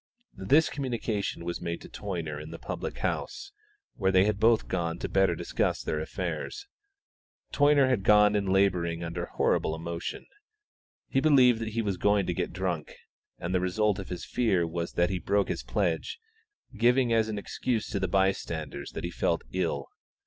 This communication was made to Toyner in the public house, where they had both gone the better to discuss their affairs. Toyner had gone in labouring under horrible emotion. He believed that he was going to get drunk, and the result of his fear was that he broke his pledge, giving as an excuse to the by standers that he felt ill.